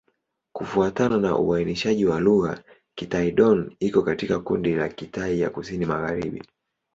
Kufuatana na uainishaji wa lugha, Kitai-Dón iko katika kundi la Kitai ya Kusini-Magharibi.